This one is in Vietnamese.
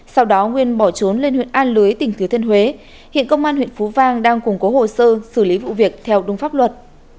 sau đó nguyên bỏ trốn lên huyện an lưới tỉnh thừa thiên huế hiện công an huyện phú vang đang củng cố hồ sơ xử lý vụ việc theo đúng pháp luật